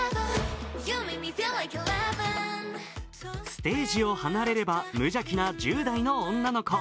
ステージを離れれば無邪気な１０代の女の子。